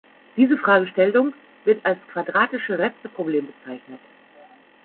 Diese Fragestellung wird als Quadratische-Reste-Problem bezeichnet.